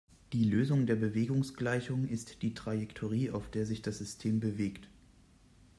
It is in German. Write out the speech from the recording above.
Die Lösung der Bewegungsgleichung ist die Trajektorie, auf der sich das System bewegt.